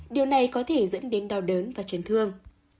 điều này có thể dẫn đến đau đớn và chấn thương